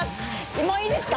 もういいですか？